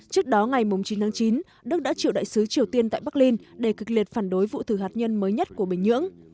trước đó ngày chín chín đức đã chịu đại sứ triều tiên tại bắc linh để cực liệt phản đối vụ thử hạt nhân mới nhất của bình nhưỡng